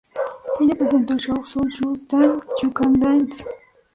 Ella presentó el show so You think you Can Dance!